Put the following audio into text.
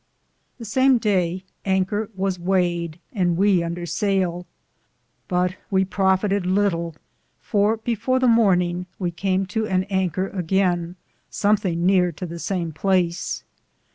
The same Daye Anker was wayed, and we under sail, but we profetted litle, for before the morninge we came to an Anker againe somethinge neare to the same place.